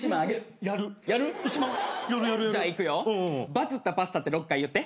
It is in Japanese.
「バズったパスタ」って６回言って。